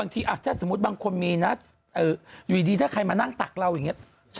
แต่บางที